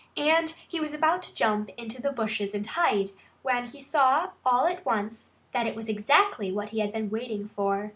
And he was about to jump into the bushes and hide when he saw all at once that it was exactly what he had been waiting for.